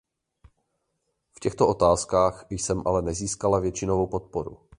V těchto otázkách jsem ale nezískala většinovou podporu.